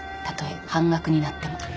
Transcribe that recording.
たとえ半額になっても。